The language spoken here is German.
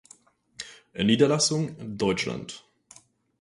Niederlassung Deutschland.